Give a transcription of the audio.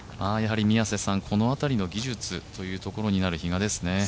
この辺りの技術というところになる比嘉ですね。